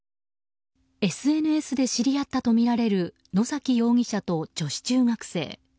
ＳＮＳで知り合ったとみられる野崎容疑者と女子中学生。